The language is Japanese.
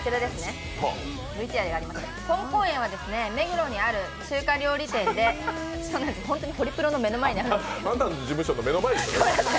香港園は目黒にある中華料理店で、ホントにホリプロの目の前にあるんです。